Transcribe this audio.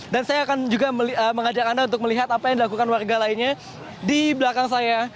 dan saya akan juga mengajak anda untuk melihat apa yang dilakukan warga lainnya di belakang saya